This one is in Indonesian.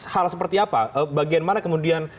hal seperti apa bagian mana kemudian